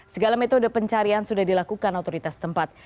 segala metode pencarian sudah dilakukan otoritas tempat